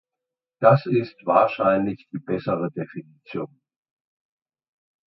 Das ist wahrscheinlich die bessere Definition.